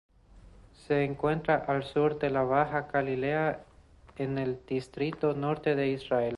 Se encuentra al sur de la Baja Galilea en el Distrito Norte de Israel.